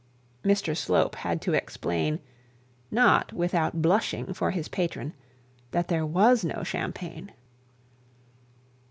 Mr Slope had to explain, not without blushing for his patron, that there was no champagne.